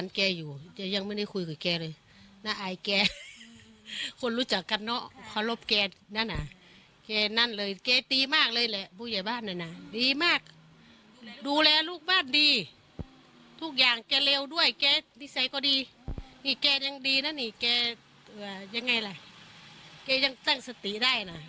แกอยู่นี่แกยังดีนะนี่แกยังไงล่ะแกยังตั้งสติได้นะ